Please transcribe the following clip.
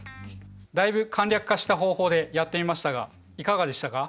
だいぶ簡略化した方法でやってみましたがいかがでしたか？